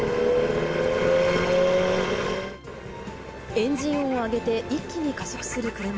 エンジン音を上げて一気に加速する車。